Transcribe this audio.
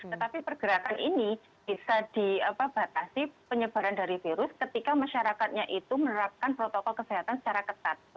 tetapi pergerakan ini bisa di batasi penyebaran dari virus ketika masyarakatnya itu menerapkan protokol kesehatan secara ketat seperti itu